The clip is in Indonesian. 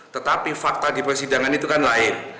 tetapi fakta di persidangan itu kan lain